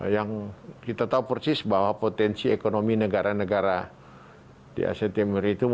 yang kita tahu persis bahwa potensi ekonomi negara negara di asia timur itu